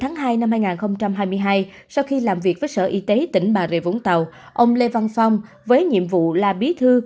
năm hai nghìn hai mươi hai sau khi làm việc với sở y tế tỉnh bà rệ vũng tàu ông lê văn phong với nhiệm vụ là bí thư